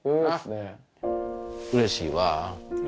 うれしいわ。